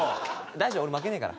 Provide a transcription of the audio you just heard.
大丈夫俺負けねえから。